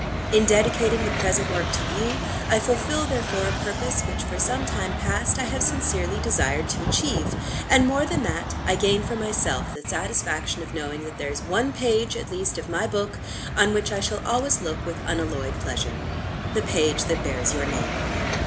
In dedicating the present work to you, I fulfil therefore a purpose which, for some time past, I have sincerely desired to achieve; and, more than that, I gain for myself the satisfaction of knowing that there is one page, at least, of my book, on which I shall always look with unalloyed pleasure the page that bears your name.